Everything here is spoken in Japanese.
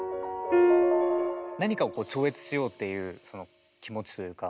何かを超越しようっていうその気持ちというか。